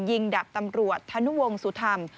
ดับตำรวจธนุวงศุธรรม